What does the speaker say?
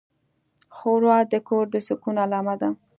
ښوروا د کور د سکون علامه ده.